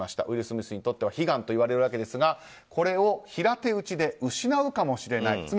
ウィル・スミスにとっては悲願といわれますがこれを平手打ちで失うかもしれない。